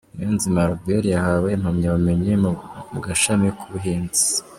Niyonzima Albert: yahawe impamyabumenyi mu gashami k'Ubuhinzi.